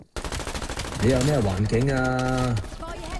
你又咩嘢環境呀